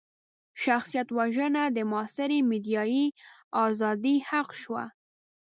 شخصيت وژنه د معاصرې ميډيايي ازادۍ حق شو.